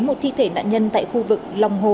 một thi thể nạn nhân tại khu vực lòng hồ